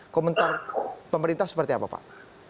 komentar pemerintah seperti apa pak